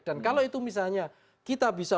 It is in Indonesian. dan kalau itu misalnya kita bisa